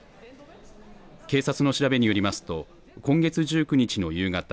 警察の調べによりますと今月１９日の夕方